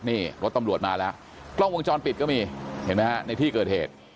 นี่รถตำรวจมาแล้วกล้องวงจรปิดก็มีเห็นไหมฮะในที่เกิดเหตุ